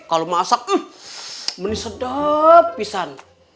kalau masak benih sedap pisan